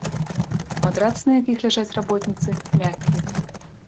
Матрацы, на якіх ляжаць работніцы, мяккія.